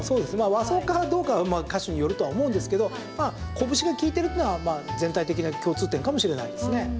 和装かどうかは歌手によるとは思うんですけどこぶしが利いてるっていうのは全体的な共通点かもしれないですね。